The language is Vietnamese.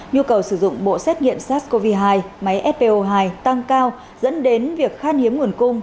nhu cầu sử dụng bộ xét nghiệm sars cov hai máy fpo hai tăng cao dẫn đến việc khan hiếm nguồn cung